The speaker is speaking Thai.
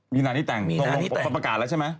มีนานี้แต่งปรากฏแล้วใช่ไหม